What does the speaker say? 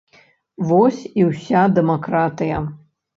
Вось і ўся дэмакратыя.